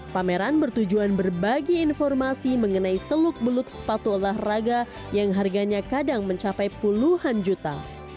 pameran bertujuan berbagi informasi mengenai seluk beluk sepatu olahraga yang harganya kadang mencapai puluhan juta